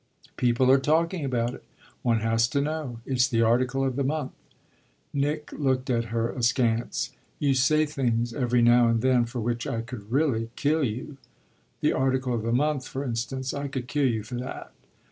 "People are talking about it. One has to know. It's the article of the month." Nick looked at her askance. "You say things every now and then for which I could really kill you. 'The article of the month,' for instance: I could kill you for that."